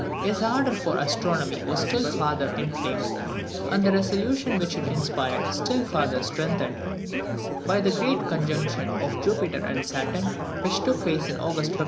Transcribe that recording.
His ardour for astronomy was still farther inflamed, and the resolution which it inspired still farther strengthened, by the great conjunction of Jupiter and Saturn, which took place in August 1563.